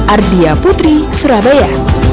ardia putri surabaya